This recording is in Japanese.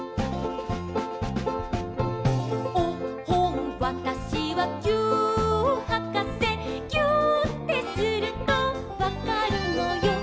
「おっほんわたしはぎゅーっはかせ」「ぎゅーってするとわかるのよ」